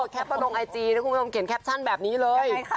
แคปต้องลงไอจีแล้วคุณคุณคงเขียนแคปชั่นแบบนี้เลย